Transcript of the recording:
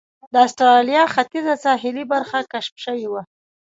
د اسټرالیا ختیځه ساحلي برخه کشف شوې وه.